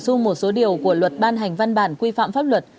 bổ sung một số điều của luật ban hành văn bản quy phạm pháp luật